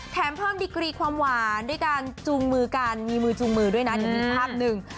แถมเพิ่มดีกรีความหวานด้วยการจูงมือกันมีมือจูงมือด้วยนะเดี๋ยวมีภาพหนึ่ง